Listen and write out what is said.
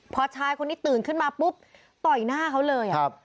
พอชายคนนี้ตื่นขึ้นมาปุ๊บต่อยหน้าเขาเลย